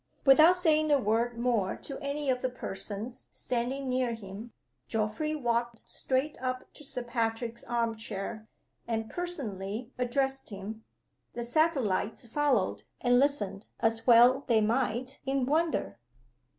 Without saying a word more to any of the persons standing near him, Geoffrey walked straight up to Sir Patrick's arm chair, and personally addressed him. The satellites followed, and listened (as well they might) in wonder.